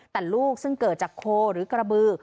แต่ลูกซึ่งเกิดจากโคหรือกระบือ